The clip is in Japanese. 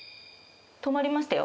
止まりましたよ。